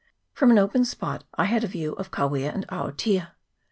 From an open spot I had a view of Kawia and Aotea.